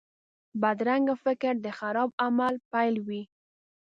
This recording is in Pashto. بدرنګه فکر د خراب عمل پیل وي